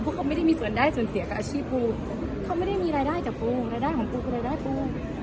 เพราะเขาไม่ได้มีส่วนได้ส่วนเสียกับอาชีพกูเขาไม่ได้มีรายได้จากกูรายได้ของกูคือรายได้ปู